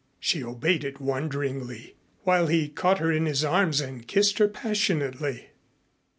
She obeyed it wonderingly while he caught her in his arms and kissed her passionately.